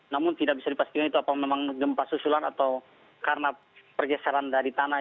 namun tidak bisa dipastikan itu apa memang gempa susulan atau karena pergeseran dari tanah